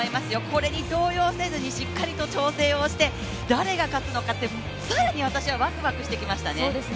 これに動揺せずにしっかりと調整をして誰が勝つのかって更に私はわくわくしてきましたね。